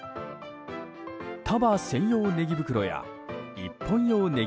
束専用ねぎ袋や１本用ねぎ